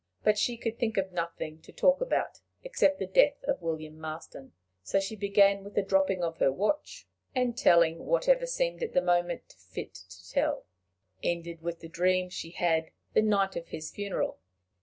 But she could think of nothing to talk about except the death of William Marston. So she began with the dropping of her watch, and, telling whatever seemed at the moment fit to tell, ended with the dream she had the night of his funeral.